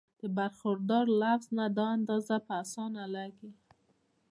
د برخوردار لفظ نه دا اندازه پۀ اسانه لګي